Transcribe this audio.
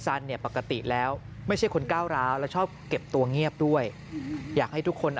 เนี่ยปกติแล้วไม่ใช่คนก้าวร้าวและชอบเก็บตัวเงียบด้วยอยากให้ทุกคน